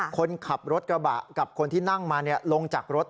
คนขับรถกระบะกับคนที่นั่งมาลงจากรถ